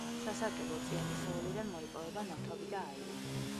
სასარგებლო წიაღისეულიდან მოიპოვება ნავთობი და აირი.